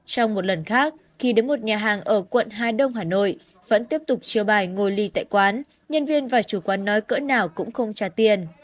trong một lần khác khi đến một nhà hàng ở quận hà đông hà nội vẫn tiếp tục chiêu bài ngồi ly tại quán nhân viên và chủ quán nói cỡ nào cũng không trả tiền